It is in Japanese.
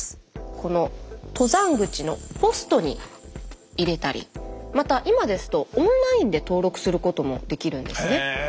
この登山口のポストに入れたりまた今ですとオンラインで登録することもできるんですね。